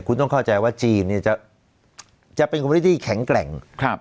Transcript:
คุณต้องเข้าใจว่าจีนเนี่ยจะเป็นคนที่แข็งแกร่ง